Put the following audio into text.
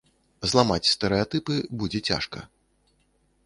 Зламаць стэрэатыпы будзе цяжка.